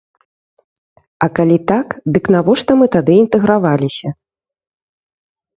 А калі так, дык навошта мы тады інтэграваліся?